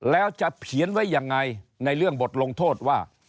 แล้วจะเขียนไว้ยังไงในเรื่องบทลงโทษว่า